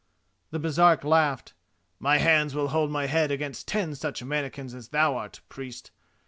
The Baresark laughed: "My hands will hold my head against ten such mannikins as thou art, Priest.